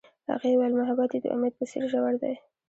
هغې وویل محبت یې د امید په څېر ژور دی.